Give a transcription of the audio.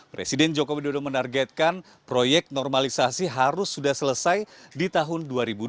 presiden joko widodo menargetkan proyek normalisasi harus sudah selesai di tahun dua ribu dua puluh